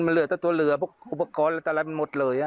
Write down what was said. มันเหลือแต่ตัวเหลือพวกอุปกรณ์อะไรมันหมดเลย